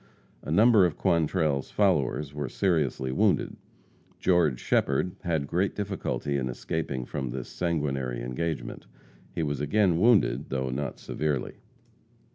A number of Quantrell's followers were seriously wounded. George Shepherd had great difficulty in escaping from this sanguinary engagement. He was again wounded, though not severely.